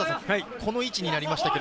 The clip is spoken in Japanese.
この位置になりました。